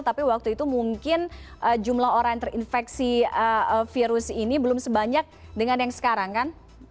tapi waktu itu mungkin jumlah orang yang terinfeksi virus ini belum sebanyak dengan yang sekarang kan